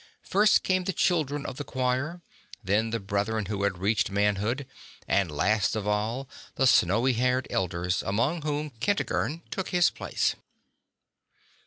First came the children of the choir, then the brethren who had reached manhood, and last of all the snowy haired elders, among whom Kentigern took his place.